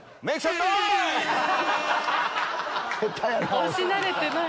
押し慣れてない。